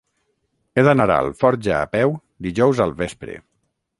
He d'anar a Alforja a peu dijous al vespre.